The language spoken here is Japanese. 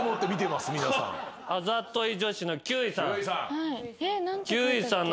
あざとい女子の休井さん。